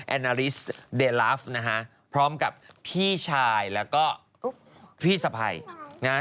แอนาลิสเดร่าฟคร้อมกับพี่ชายแล้วก็พี่ทรมาน